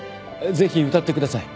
ぜひ歌ってください。